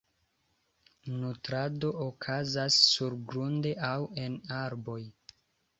Nutrado okazas surgrunde aŭ en arboj.